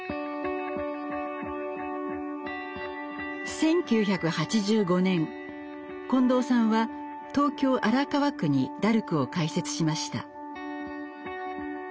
１９８５年近藤さんは東京・荒川区にダルクを開設しました。